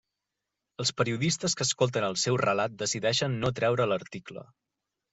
Els periodistes que escolten el seu relat decideixen no treure l'article.